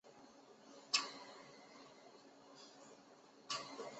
围绕马耳他行动的盟军力量对轴心国的护航船队的封锁是非常关键的。